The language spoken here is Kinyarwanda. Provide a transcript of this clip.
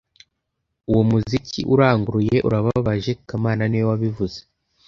Uwo muziki uranguruye urababaje kamana niwe wabivuze